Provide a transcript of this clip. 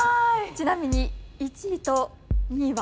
・ちなみに１位と２位は。